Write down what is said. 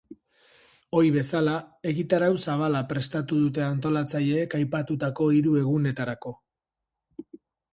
Ohi bezala, egitarau zabala prestatu dute antolatzaileek aipatutako hiru egunetarako.